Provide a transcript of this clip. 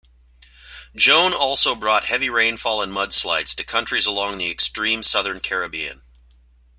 Joan also brought heavy rainfall and mudslides to countries along the extreme southern Caribbean.